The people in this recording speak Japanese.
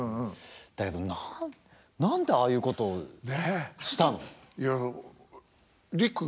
だけど何でああいうことをしたの？